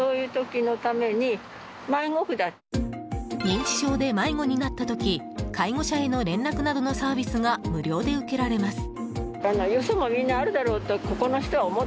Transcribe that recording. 認知症で迷子になった時介護者への連絡などのサービスが無料で受けられます。